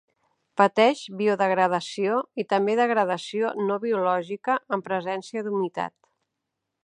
Pateix biodegradació i també degradació no biològica en presència d’humitat.